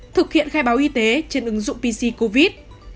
thực hiện khai báo y tế trên ứng dụng pc covid